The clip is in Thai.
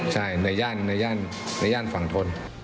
ใช่ในย่านฝั่งทน